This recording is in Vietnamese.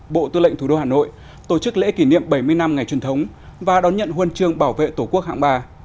bộ tư lệnh thủ đô hà nội tổ chức lễ kỷ niệm bảy mươi năm ngày truyền thống và đón nhận huân chương bảo vệ tổ quốc hạng ba